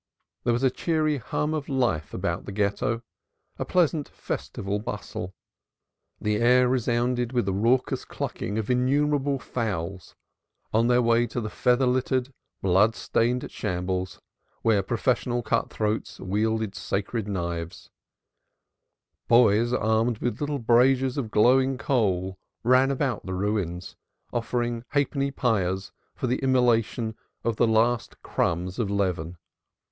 There was a cheery hum of life about the Ghetto; a pleasant festival bustle; the air resounded with the raucous clucking of innumerable fowls on their way to the feather littered, blood stained shambles, where professional cut throats wielded sacred knives; boys armed with little braziers of glowing coal ran about the Ruins, offering halfpenny pyres for the immolation of the last crumbs of leaven.